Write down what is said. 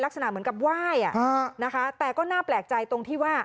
ลักษณะเหมือนกับไหว้นะคะแต่ก็น่าแปลกใจตรงที่ว่า